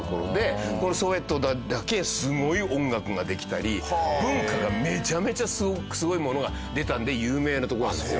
このソウェトだけすごい音楽ができたり文化がめちゃめちゃすごいものが出たので有名な所なんですよ。